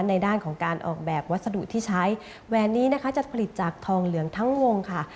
ในด้านของการออกแบบวัสดุที่ใช้แหวนนี้นะคะจะผลิตจากทองเหลืองทั้งวงค่ะ